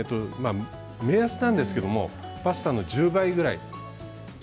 目安なんですけれどパスタの１０倍ぐらい。